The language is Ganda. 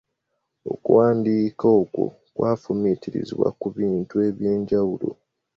Okuwandiika okw'okwefumitiriza ku bintu eby'enjawulo.